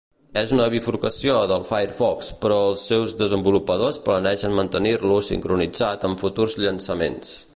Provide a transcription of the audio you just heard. És una bifurcació del Firefox, però els seus desenvolupadors planegen mantenir-lo sincronitzat en futurs llançaments.